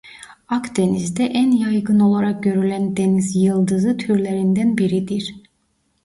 Akdeniz'de en yaygın olarak görülen denizyıldızı türlerinden biridir.